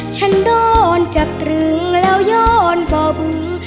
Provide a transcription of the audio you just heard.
ฉันโดนจับตรึงแล้วย้อนกบึง